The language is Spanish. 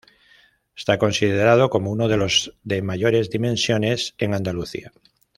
Está considerado como uno de los de mayores dimensiones de Andalucía.